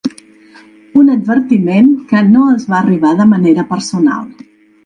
Un advertiment que no els va arribar de manera personal.